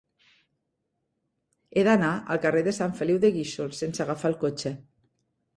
He d'anar al carrer de Sant Feliu de Guíxols sense agafar el cotxe.